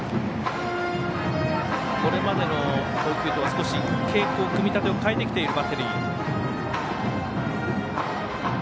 これまでの投球とは少し組み立てを変えてきているバッテリー。